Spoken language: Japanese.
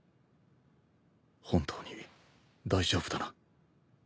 本当に大丈夫だな？